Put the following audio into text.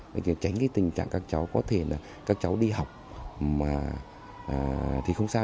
để tránh cái tình trạng các cháu có thể là các cháu đi học thì không sao